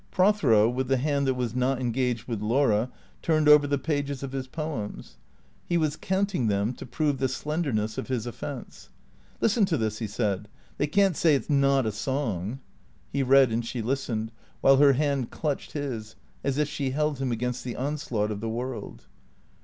Prothero, with the hand that was not engaged with Laura, turned over the pages of his poems. He was counting them, to prove the slenderness of his offence. " Listen to this," he said. " They can't say it 's nat a song." He read and she listened, while her hand clutched his, as if she held him against the onslaught of the world.